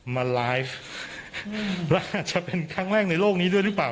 มาไลฟ์ว่าจะเป็นครั้งแรกในโลกนี้ด้วยหรือเปล่า